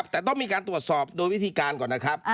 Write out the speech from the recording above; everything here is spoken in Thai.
แต่ต้องมีการตรวจสอบโดยวิธีการก่อนนะครับ